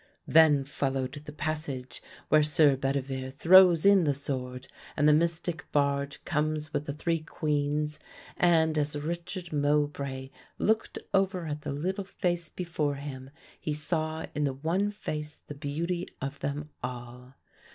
Then followed the passage where Sir Bedivere throws in the sword and the mystic barge comes with the three Queens, and as Richard Mowbray looked over at the little face before him he saw in the one face the beauty of them all.